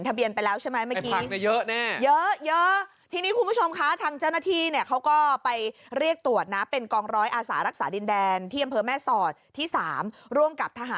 อ๋อทะเบียงเนี่ยแหละ